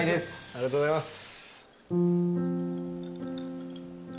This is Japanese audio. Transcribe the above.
ありがとうございます。